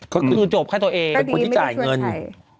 ก็คือจบแค่ตัวเอง